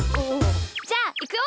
じゃあいくよ！